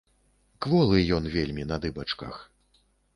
Кволы ён вельмі на дыбачках.